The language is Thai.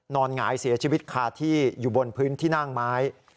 หงายเสียชีวิตคาที่อยู่บนพื้นที่นั่งไม้